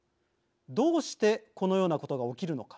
どうしてこのようなことが起きるのか。